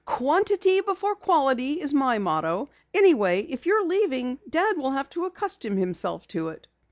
"Quantity before quality is my motto. Anyway, if you are leaving, Dad will have to accustom himself to it."